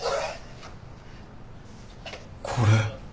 これ。